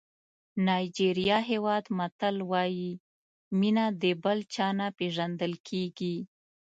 نایجېریا هېواد متل وایي مینه د بل چا نه پېژندل کېږي.